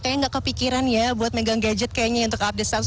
kayaknya nggak kepikiran ya buat megang gadget kayaknya untuk update status